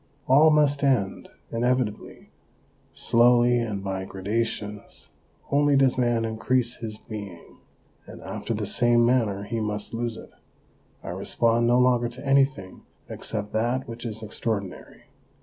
All must end inevitably ; slowly and by gradations only does man increase his being, and after the same manner he must lose it. I respond no longer to anything except that which is extraordinary.